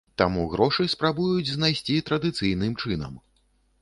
Таму грошы спрабуюць знайсці традыцыйным чынам.